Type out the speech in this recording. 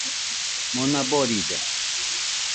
Mona boride